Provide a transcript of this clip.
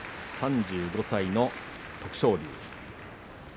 ３５歳の徳勝龍。